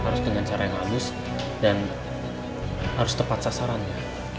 harus dengan cara yang halus dan harus tepat sasarannya